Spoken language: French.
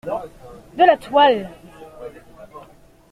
De la toile!